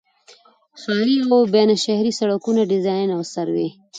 د ښاري او بینالشهري سړکونو ډيزاين او سروې